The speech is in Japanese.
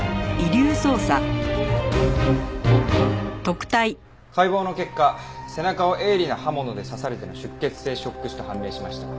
解剖の結果背中を鋭利な刃物で刺されての出血性ショック死と判明しました。